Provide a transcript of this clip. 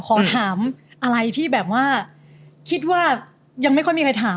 ขอถามมาอะไรว่ายังไม่ค่อยมีใครถาม